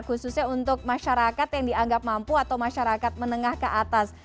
khususnya untuk masyarakat yang dianggap mampu atau masyarakat menengah ke atas